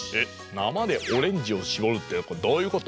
なまでオレンジをしぼるってどういうこと？